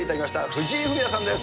藤井フミヤさんです。